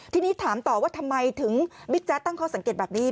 ทีนี้ถามต่อว่าทำไมถึงบิ๊กแจ๊คตั้งข้อสังเกตแบบนี้